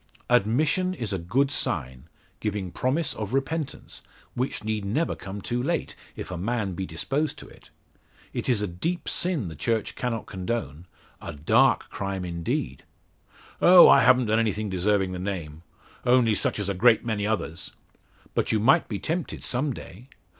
"Admission is a good sign giving promise of repentance, which need never come too late if a man be disposed to it. It is a deep sin the Church cannot condone a dark crime indeed." "Oh, I haven't done anything deserving the name. Only such as a great many others." "But you might be tempted some day.